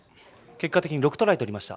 結果的に６トライとりました。